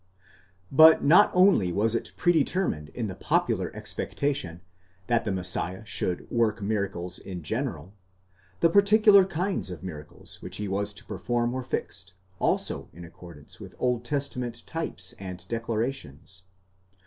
But not only was it predetermined in the popular expectation that the Messiah should work miracles in general,—the particular kinds of miracles which he was to perform were fixed, also in accordance with Old Testament types and declarations.